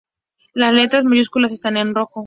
Las letras mayúsculas están en rojo.